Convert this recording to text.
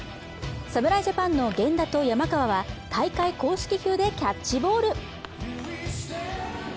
侍ジャパンの源田と山川は大会公式球でキャッチボール。